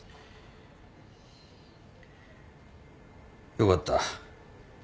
よかった。